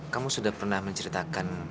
kamu sudah pernah menceritakan